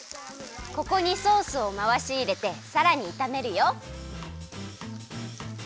ここにソースをまわしいれてさらにいためるよ。